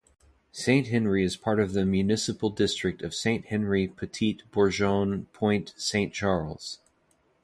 Saint-Henri is part of the municipal district of Saint-Henri-Petite-Bourgogne-Pointe-Saint-Charles.